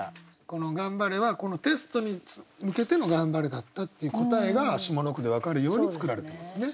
この「頑張れ」はテストに向けての「頑張れ」だったっていう答えが下の句で分かるように作られてますね。